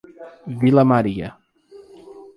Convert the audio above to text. Vila Maria